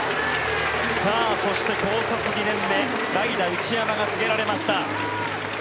さあ、そして高卒２年目代打、内山が告げられました。